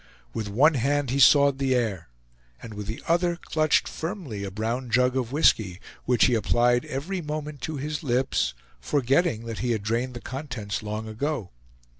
With one hand he sawed the air, and with the other clutched firmly a brown jug of whisky, which he applied every moment to his lips, forgetting that he had drained the contents long ago.